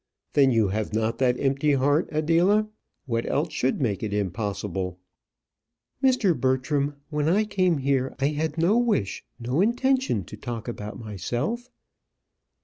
"Then you have not that empty heart, Adela? What else should make it impossible?" "Mr. Bertram, when I came here, I had no wish, no intention to talk about myself."